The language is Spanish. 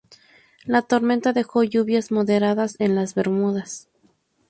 La tormenta dejó lluvias moderadas en las Bermudas.